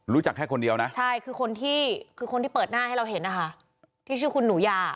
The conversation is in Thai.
รู้จักแค่คนเดียวนะใช่คือคนที่เปิดหน้าให้เราเห็นที่ชื่อคุณหนูยา